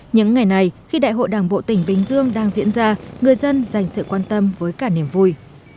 những ngày này khi đại hội đảng bộ tỉnh bình dương đang diễn ra người dân dành sự quan tâm với cả niềm vui